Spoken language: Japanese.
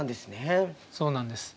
そうなんです。